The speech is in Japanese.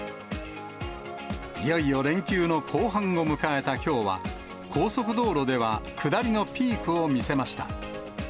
いよいよ連休の後半を迎えたきょうは、高速道路では下りのピークを見せました。